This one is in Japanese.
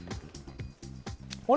あれ？